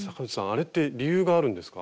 あれって理由があるんですか？